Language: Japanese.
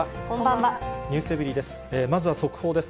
まずは速報です。